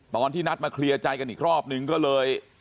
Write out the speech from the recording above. ตอนที่นัดมาเคลียร์ใจกันอีกรอบนึงก็เลย